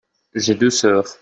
J'ai deux sœurs.